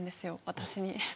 私に。